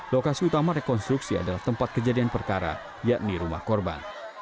lokasi utama rekonstruksi adalah tempat kejadian perkara yakni rumah korban